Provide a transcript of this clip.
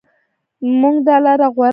موږ دا لاره غوره کړه.